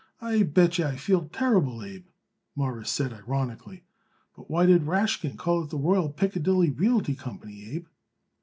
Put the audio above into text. "I bet yer I feel terrible, Abe," Morris said ironically. "But why did Rashkin call it the Royal Piccadilly Realty Company, Abe?"